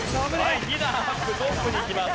２段アップトップにいきます。